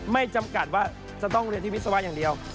ไม่จำกัดว่าจะต้องเรียนที่วิศวะอย่างเดียว